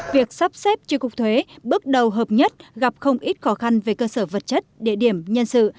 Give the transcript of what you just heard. việc sắp xếp tri cục thuế bước đầu hợp nhất gặp không ít khó khăn về cơ sở vật chất địa điểm nhân sự